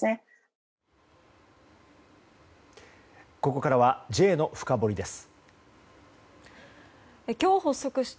ここからはＪのフカボリです。